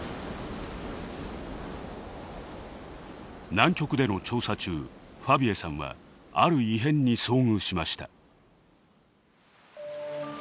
南極での調査中ファヴィエさんはある異変に遭遇しました。